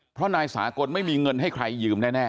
เพราะนายสากลไม่มีเงินให้ใครยืมแน่